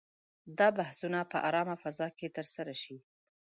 دا بحثونه په آرامه فضا کې ترسره شي.